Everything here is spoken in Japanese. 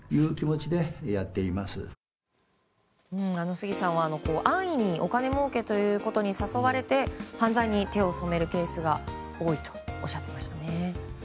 杉さんは安易にお金もうけということに誘われて犯罪に手を染めるケースが多いとおっしゃっていましたね。